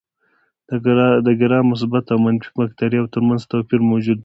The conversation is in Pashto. د ګرام مثبت او منفي باکتریاوو تر منځ توپیر موجود دی.